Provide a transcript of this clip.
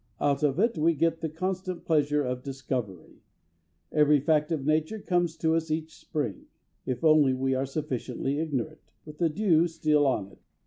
Out of it we get the constant pleasure of discovery. Every fact of nature comes to us each spring, if only we are sufficiently ignorant, with the dew still on it.